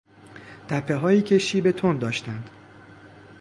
تپههایی که شیب تند داشتند